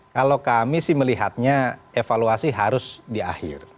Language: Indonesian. kalau kami sih melihatnya evaluasi harus di akhir